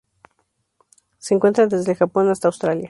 Se encuentra desde el Japón hasta Australia.